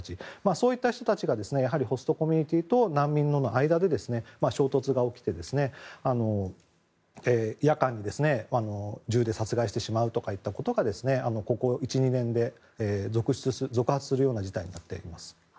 そういった人たちがホストコミュニティーと難民の間で衝突が起きて夜間に銃で殺害してしまうといったことがここ１２年で続発するような事態になっています。